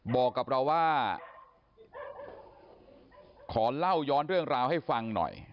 บอกกับเราว่าขอเล่าย้อนเรื่องราวให้ฟังหน่อย